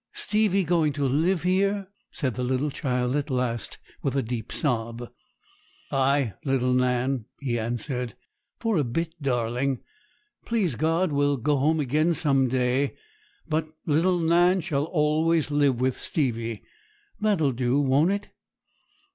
'Stevie going to live here?' said the little child at last, with a deep sob. 'Ay, little Nan,' he answered; 'for a bit, darling. Please God, we'll go home again some day. But little Nan shall always live with Stevie. That'll do; won't it?'